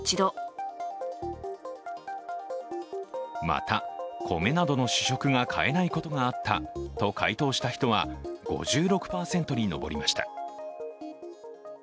また、米などの主食が買えないことがあったと回答した人は５６％に上りました。